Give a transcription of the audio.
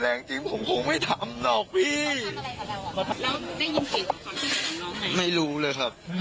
แล้วได้ยินผิดไม่รู้เลยครับทำนั้นเราจำอะไรไม่ได้เลย